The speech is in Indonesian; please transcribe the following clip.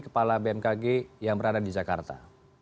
kamiead theodok bersama yang bersama grane